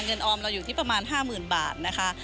ออมเราอยู่ที่ประมาณ๕๐๐๐บาทนะคะ